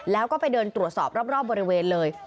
แล้วก็ไปเดินตรวจสอบรอบบริเวณเลย